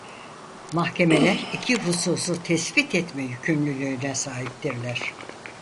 Mahkemeler iki hususu tespit etme yükümlülüğüne sahiptirler.